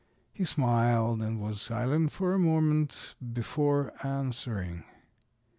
He smiled and was silent for a moment before answering.